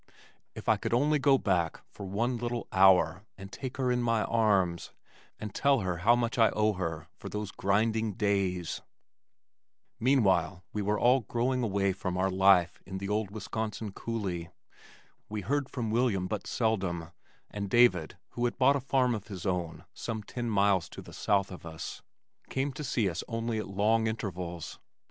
If I could only go back for one little hour and take her in my arms, and tell her how much I owe her for those grinding days! Meanwhile we were all growing away from our life in the old Wisconsin Coulee. We heard from William but seldom, and David, who had bought a farm of his own some ten miles to the south of us, came over to see us only at long intervals.